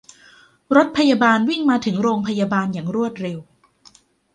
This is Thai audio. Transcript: รถพยาบาลวิ่งมาถึงโรงพยาบาลอย่างรวดเร็ว